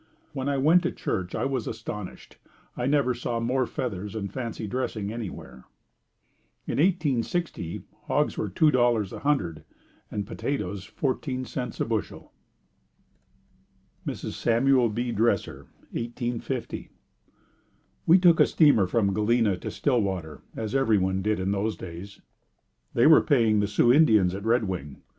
When I went to church I was astonished. I never saw more feathers and fancy dressing anywhere. In 1860 hogs were $2.00 a hundred and potatoes 14c a bushel. Mrs. Samuel B. Dresser 1850. We took a steamer from Galena to Stillwater, as everyone did in those days. They were paying the Sioux Indians at Red Wing.